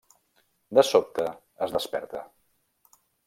De sobte, es desperta.